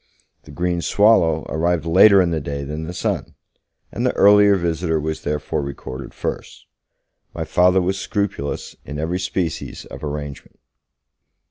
The green swallow arrived later in the day than the son, and the earlier visitor was therefore recorded first; my Father was scrupulous in every species of arrangement.